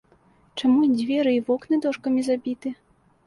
Чаму і дзверы і вокны дошкамі забіты?